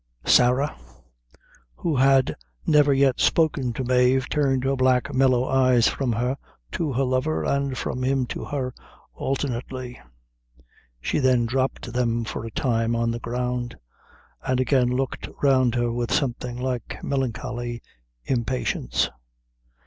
Sarah, who had never yet spoken to Mave, turned her black mellow eyes from her to her lover, and from him to her alternately. She then dropped them for a time on the ground, and again looked round her with something like melancholy impatience.